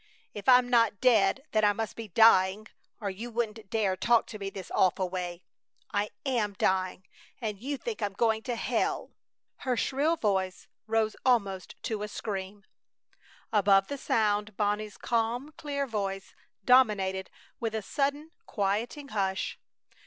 If I'm not dead, then I must be dying, or you wouldn't dare talk to me this awful way! I am dying! And you think I'm going to hell!" Her shrill voice rose almost to a scream. Above the sound, Bonnie's calm, clear voice dominated with a sudden quieting hush.